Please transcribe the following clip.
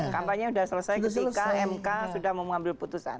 kampanye sudah selesai ketika mk sudah mau mengambil putusan